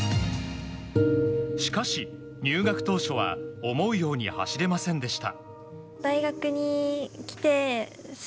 しかし、入学当初は思うように走れませんでした。